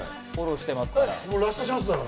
ラストチャンスだから。